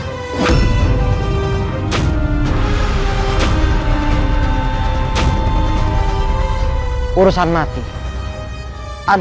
daripada kau mati sia sia